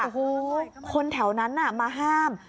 โอ้โหคนแถวนั้นน่ะมาห้าม